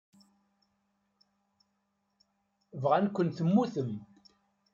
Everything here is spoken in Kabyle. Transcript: Bɣan-ken temmutem.